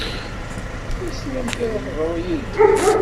Wissen amek ara teḍru yid-wen?